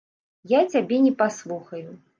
Я цябе не паслухаю.